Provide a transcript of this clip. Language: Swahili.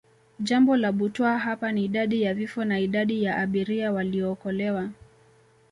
Jambo la butwaa hapa ni Idadi ya vifo na idadi ya abiria waliookolewa